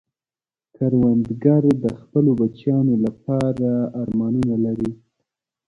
کروندګر د خپلو بچیانو لپاره ارمانونه لري